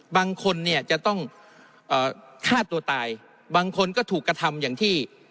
บางคนเนี่ยจะต้องฆ่าตัวตายบางคนก็ถูกกระทำอย่างที่